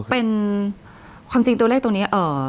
เป็นความจริงตัวเลขตรงนี้